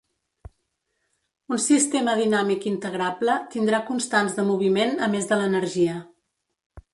Un sistema dinàmic integrable tindrà constants de moviment a més de l'energia.